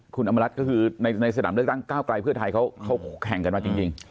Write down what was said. คุณอำมารัฐก็คือในสนามเลือกตั้งก้าวไกลเพื่อไทยเขาแข่งกันมาจริง